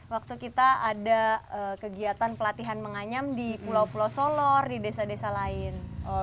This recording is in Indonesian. waktu kita ada kegiatan pelatihan menganyam di pulau pulau solor di desa desa lain